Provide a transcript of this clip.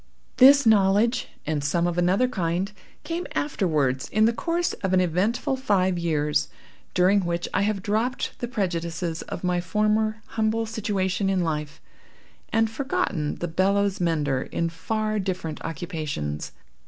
This knowledge, and some of another kind, came afterwards in the course of an eventful five years, during which I have dropped the prejudices of my former humble situation in life, and forgotten the bellows mender in far different occupations.